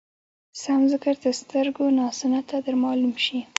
سم ذکر تر سترګو ناسنته در معلوم شي.